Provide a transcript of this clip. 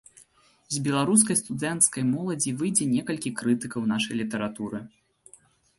З беларускай студэнцкай моладзі выйдзе некалькі крытыкаў нашай літаратуры.